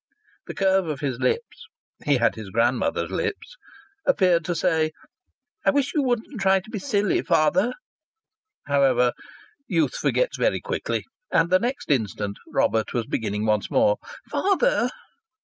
The curve of his lips (he had his grandmother's lips) appeared to say: "I wish you wouldn't try to be silly, father." However, youth forgets very quickly, and the next instant Robert was beginning once more, "Father!"